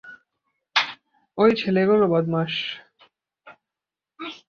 ঐ ছেলেগুলো বদমাশ।